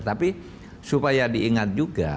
tapi supaya diingat juga